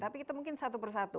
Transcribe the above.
tapi kita mungkin satu persatu